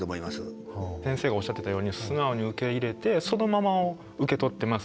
先生がおっしゃってたように素直に受け入れてそのままを受け取ってます。